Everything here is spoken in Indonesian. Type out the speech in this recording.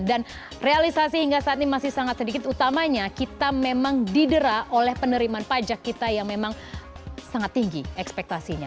dan realisasi hingga saat ini masih sangat sedikit utamanya kita memang didera oleh penerimaan pajak kita yang memang sangat tinggi ekspektasinya